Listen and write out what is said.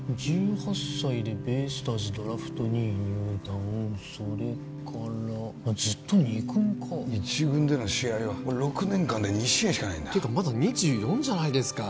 １８歳でベイスターズドラフト２位入団それからずっと２軍か１軍での試合は６年間で２試合しかないんだていうかまだ２４じゃないですか